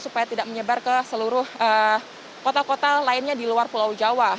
supaya tidak menyebar ke seluruh kota kota lainnya di luar pulau jawa